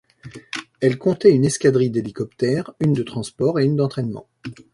Elle comptait une escadrille d'hélicoptères, une de transport et une d'entrainement.